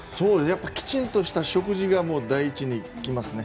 やっぱりきちんとした食事が第一にきますね。